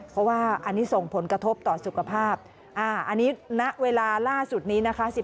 เพราะว่าอันนี้ส่งผลกระทบต่อสุขภาพอันนี้ณเวลาล่าสุดนี้นะคะ